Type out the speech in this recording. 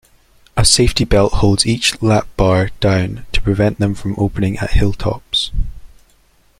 A safety belt holds each lap-bar down to prevent them from opening at hilltops.